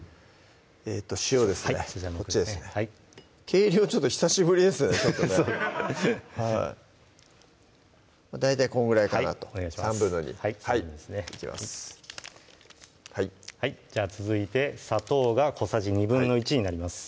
計量ちょっと久しぶりですね大体こんぐらいかなと２／３はいいきますじゃあ続いて砂糖が小さじ１／２になります